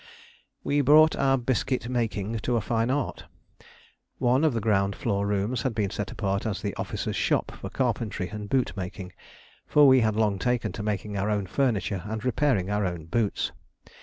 We brought our biscuit making to a fine art. One of the ground floor rooms had been set apart as the officers' shop for carpentry and bootmaking for we had long taken to making our own furniture and repairing our own boots.